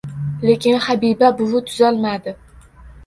Lekin Habiba buvi tuzalmadi...